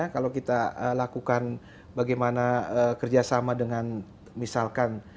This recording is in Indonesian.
kalau kita lakukan bagaimana kerjasama dengan misalkan